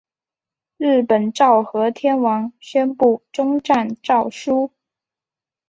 日本昭和天皇宣布终战诏书。